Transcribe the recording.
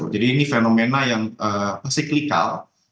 jadi ini fenomena yang klikal